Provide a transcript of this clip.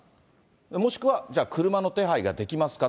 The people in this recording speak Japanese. もしくは、じゃあ、車の手配ができますか？